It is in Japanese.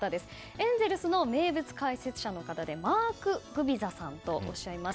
エンゼルスの名物解説者の方でマーク・グビザさんといいます。